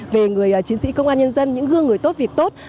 về người chiến sĩ công an nhân dân những gương người tốt việc tốt